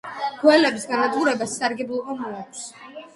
გველების განადგურებით სარგებლობა მოაქვს.